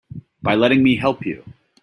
By letting me help you.